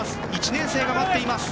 １年生が待っています。